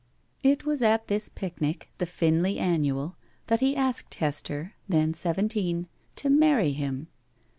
It was at this picnic, the Pinley annual, that he asked Hester, then seventeen, to marry him.